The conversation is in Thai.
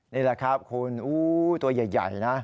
นี่แหละครับคุณตัวใหญ่นะ